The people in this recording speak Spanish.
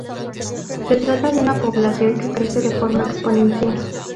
Se trata de una población que crece de forma exponencial.